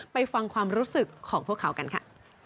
ไปฟังความรู้สึกของพวกเขากันค่ะ